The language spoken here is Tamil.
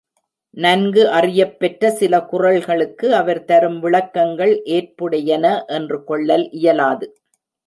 நன்கு அறியப்பெற்ற சில குறள்களுக்கு அவர் தரும் விளக்கங்கள் ஏற்புடையன என்று கொள்ளல் இயலாது.